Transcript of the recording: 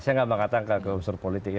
saya tidak mengatakan itu unsur politik